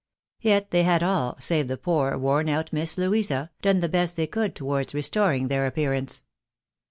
Yet they had all, save the poor, worn out Miss Louisa, done the best they could towards restoring their appearance.